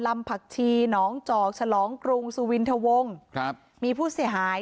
ผักชีหนองจอกฉลองกรุงสุวินทวงครับมีผู้เสียหาย